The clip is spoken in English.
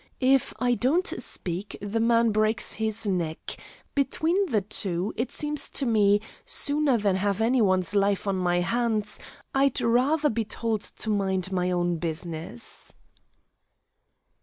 If I don't speak, the man breaks his neck. Between the two, it seems to me, sooner than have any one's life on my hands, I'd rather be told to mind my own business."